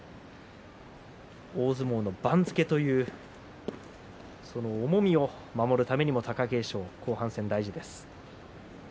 大相撲の番付という、その重みを守るためにも貴景勝、後半戦、大事です。